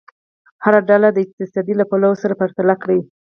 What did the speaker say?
هره ډله دې اقتصاد له پلوه سره پرتله کړي.